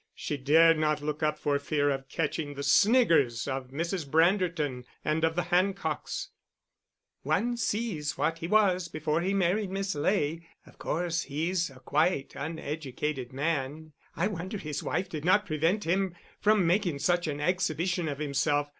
She dared not look up for fear of catching the sniggers of Mrs. Branderton and of the Hancocks: "One sees what he was before he married Miss Ley. Of course he's a quite uneducated man.... I wonder his wife did not prevent him from making such an exhibition of himself.